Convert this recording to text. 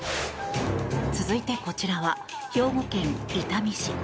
続いて、こちらは兵庫県伊丹市。